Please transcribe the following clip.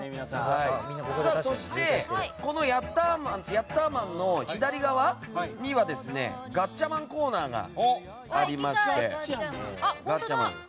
そして、ヤッターワンの左側には「ガッチャマン」コーナーがありまして。